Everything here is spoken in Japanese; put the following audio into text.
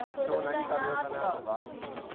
今日何食べようかなとか？